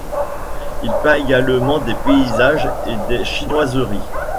Il peint également des paysages et des chinoiseries.